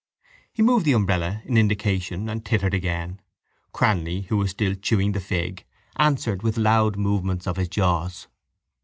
He moved the umbrella in indication and tittered again. Cranly, who was still chewing the fig, answered with loud movements of his jaws.